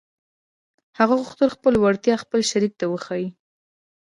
هغه غوښتل خپله وړتيا خپل شريک ته وښيي.